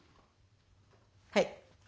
はい。